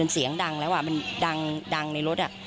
เสียงดังแล้วอ่ะมันดังในรถอ่ะ